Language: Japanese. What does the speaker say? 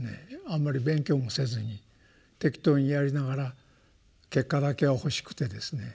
あんまり勉強もせずに適当にやりながら結果だけは欲しくてですね